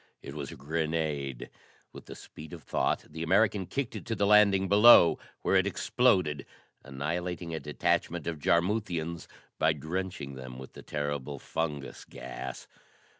It was a grenade. With the speed of thought, the American kicked it to the landing below, where it exploded, annihilating a detachment of Jarmuthians by drenching them with the terrible fungus gas.